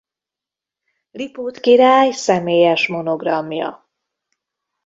Lipót király személyes monogramja.